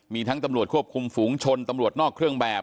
มีทั้งตำรวจควบคุมฝูงชนตำรวจนอกเครื่องแบบ